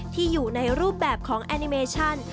ที่อยู่ในรูปแบบของแอนิเมชั่น